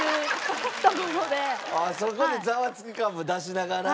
そこで『ザワつく！』感も出しながら。